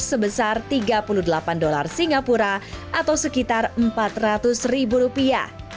sebesar tiga puluh delapan dolar singapura atau sekitar empat ratus ribu rupiah